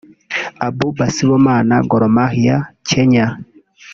Abouba Sibomana (Gor Mahia/Kenya)